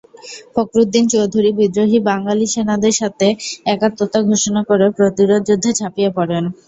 ফখরুদ্দিন চৌধুরী বিদ্রোহী বাঙালি সেনাদের সাথে একাত্মতা ঘোষণা করে প্রতিরোধযুদ্ধে ঝাঁপিয়ে পড়েন।